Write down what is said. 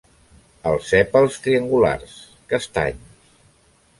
Els sèpals triangulars, castanys.